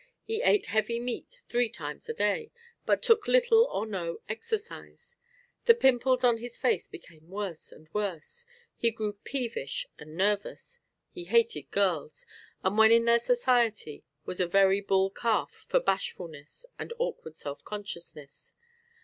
He ate heavy meat three times a day, but took little or no exercise. The pimples on his face became worse and worse. He grew peevish and nervous. He hated girls, and when in their society was a very bull calf for bashfulness and awkward self consciousness.